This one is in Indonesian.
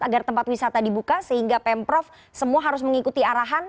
agar tempat wisata dibuka sehingga pemprov semua harus memperhatikan